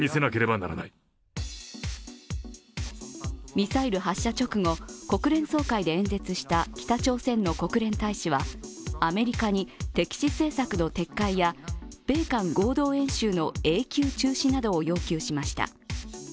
ミサイル発射直後、国連総会で演説した北朝鮮の国連大使は、アメリカに敵視政策の撤回や米韓合同演習の永久中止などを要求しました。